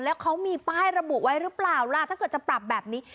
แล้วเขามีป้ายระบุไว้หรือเปล่าล่ะถ้าเกิดจะปรับแบบนี้